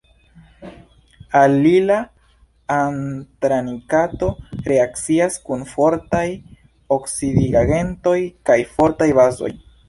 Alila antranilato reakcias kun fortaj oksidigagentoj kaj fortaj bazoj.